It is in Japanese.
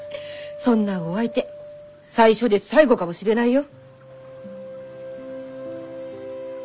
そんなお相手最初で最後かもしれないよ。